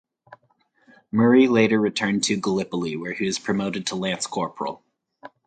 Murray later returned to Gallipoli where he was promoted to lance corporal.